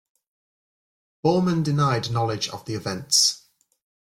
Bormann denied knowledge of the events.